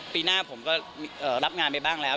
ปีหน้าผมก็รับงานไปบ้างแล้ว